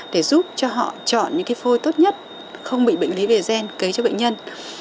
để giúp cho họ chọn những cái phôi tốt nhất không bị bệnh lý về gen cấy cho bệnh nhân